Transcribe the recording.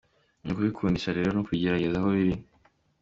Ni ukubibakundisha rero no kubegereza aho biri.